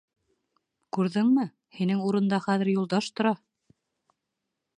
— Күрҙеңме, һинең урында хәҙер Юлдаш тора.